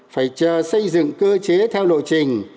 phải xây dựng cơ chế theo lộ trình